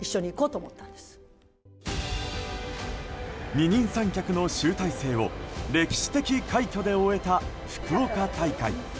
二人三脚の集大成を歴史的快挙で終えた福岡大会。